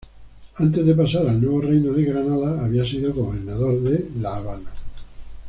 Antes de pasar al Nuevo Reino de Granada había sido gobernador de La Habana.